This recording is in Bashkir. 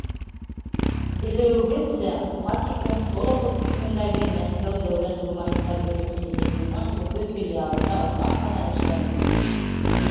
— Белеүегеҙсә, уға тиклем Шолохов исемендәге Мәскәү дәүләт гуманитар университетының Өфө филиалында оҙаҡ ҡына эшләнем.